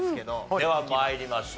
では参りましょう。